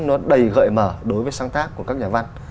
nó đầy gợi mở đối với sáng tác của các nhà văn